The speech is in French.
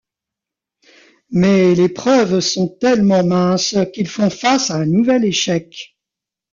Mais les preuves sont tellement minces qu'ils font face à un nouvel échec.